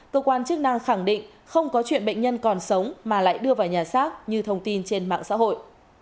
cơ quan chức năng khẳng định không có chuyện bệnh nhân còn sống mà lại đưa vào nhà xác như thông tin trên mạng xã hội